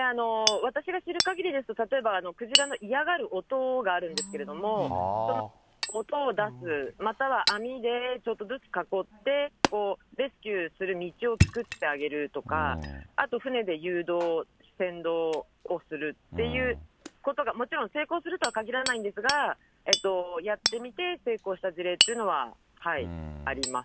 私が知るかぎりですと、例えばクジラの嫌がる音があるんですけれども、その音を出す、または網で少しずつ囲って、レスキューする道を作ってあげるとか、あと船で誘導、先導をするっていうことが、もちろん成功するとはかぎらないんですが、やってみて成功した事例っていうのはあります。